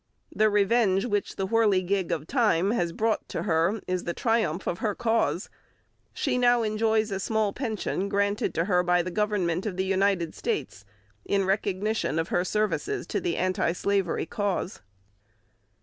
The revenge which the whirligig of time has brought to her is the triumph of her cause. She now enjoys a small pension granted to her by the Government of the United States in recognition of her services to the anti slavery cause.